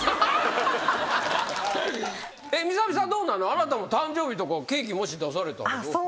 あなたも誕生日とかケーキもし出されたらどうすんの？